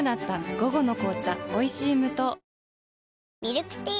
午後の紅茶おいしい無糖ミルクティー